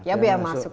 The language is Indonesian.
ya biaya masuk